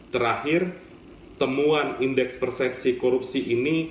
terakhir temuan indeks persepsi korupsi ini